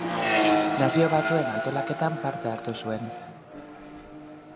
Nazio Batuen antolaketan parte hartu zuen.